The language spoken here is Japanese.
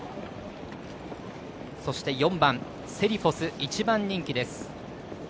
そして４番、セリフォス１番人気です。